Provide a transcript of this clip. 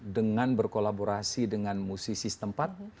dengan berkolaborasi dengan musisi setempat